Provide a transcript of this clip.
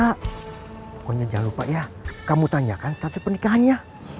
pokoknya jangan lupa ya kamu tanyakan status pernikahannya